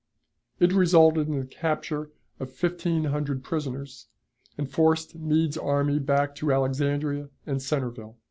It resulted in the capture of fifteen hundred prisoners, and forced Meade's army back to Alexandria and Centreville.